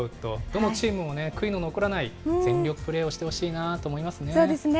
どのチームもね、悔いの残らない全力プレーをしてほしいなと思いますね。